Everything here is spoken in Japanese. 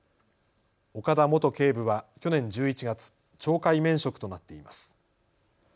岡田元警部は去年１１月、懲戒免職となっています。